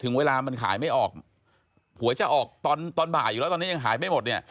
เวลามันขายไม่ออกหวยจะออกตอนบ่ายอยู่แล้วตอนนี้ยังขายไม่หมดเนี่ย